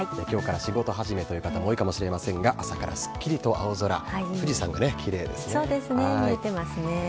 きょうから仕事始めという方も多いかもしれませんが、朝からすっきりと青空、富士山がきれいですね。